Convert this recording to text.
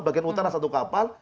bagian utara satu kapal